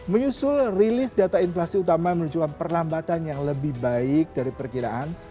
menyusul rilis data inflasi utama menunjukkan perlambatan yang lebih baik dari perkiraan